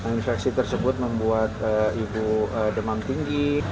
infeksi tersebut membuat ibu demam tinggi